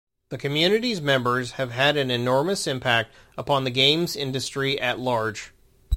The community's members have had an enormous impact upon the games industry at large.